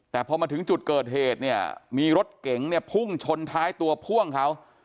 แต่พอมาถึงจุดเกิดเหตุเนี่ยมีรถเก๋งเนี่ยพุ่งชนท้ายตัวพ่วงเขา